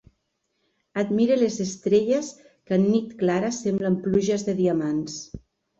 Admire les estrelles que en nit clara semblen pluges de diamants.